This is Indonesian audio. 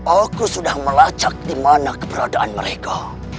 aku sudah melacak dimana keberadaan mereka